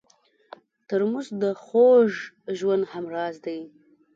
ترموز د خوږ ژوند همراز دی.